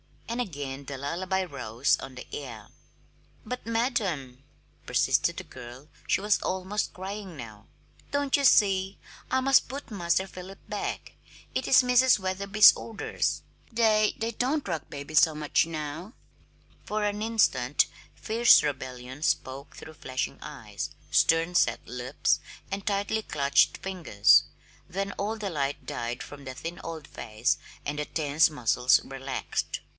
And again the lullaby rose on the air. "But, madam," persisted the girl she was almost crying now "don't you see? I must put Master Philip back. It is Mrs. Wetherby's orders. They they don't rock babies so much now." For an instant fierce rebellion spoke through flashing eyes, stern set lips, and tightly clutched fingers; then all the light died from the thin old face and the tense muscles relaxed.